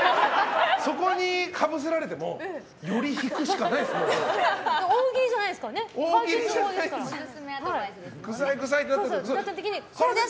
そこにかぶせられてもより引くしかないです。